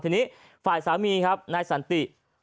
ทีนี้ฝ่ายสามีครับนายสันติ